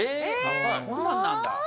そんなんなんだ。